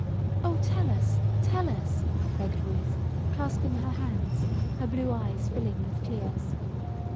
"Oh, tell us! Tell us!" begged Ruth, clasping her hands, her blue eyes filling with tears.